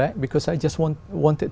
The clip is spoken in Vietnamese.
vì tôi muốn xem